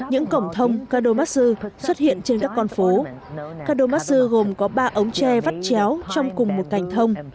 những cổng thông kadomatsu xuất hiện trên các con phố kadomatsu gồm có ba ống tre vắt chéo trong cùng một cành thông